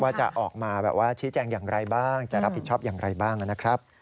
ว่าจะออกมาแบบว่าชี้แจงอย่างไรบ้างจะรับผิดชอบอย่างไรบ้างนะครับ